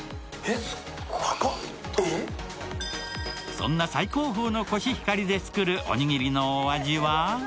そんな最高峰のコシヒカリで作るおにぎりのお味は？